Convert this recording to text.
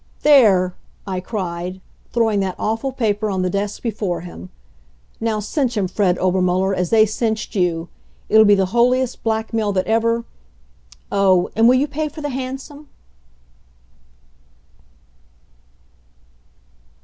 "There!" I cried, throwing that awful paper on the desk before him. "Now cinch 'em, Fred Obermuller, as they cinched you. It'll be the holiest blackmail that ever oh, and will you pay for the hansom?"